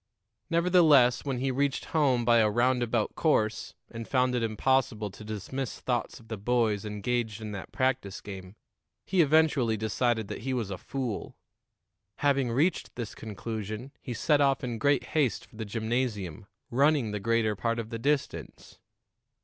Nevertheless, when he reached home by a roundabout course, and found it impossible to dismiss thoughts of the boys engaged in that practice game, he eventually decided that he was a fool. Having reached this conclusion, he set off in great haste for the gymnasium, running the greater part of the distance.